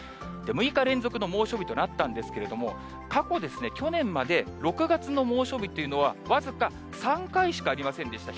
６日連続の猛暑日となったんですけれども、過去、去年まで６月の猛暑日というのは、僅か３回しかありませんでした。